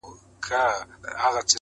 چي هر څه يې شاوخوا پسي نارې كړې -